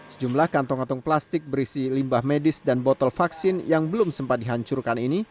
sejumlah kantong kantong plastik berisi limbah medis dan botol vaksin yang belum sempat dihancurkan ini